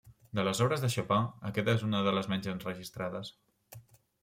De les obres de Chopin, aquest és una de les menys enregistrades.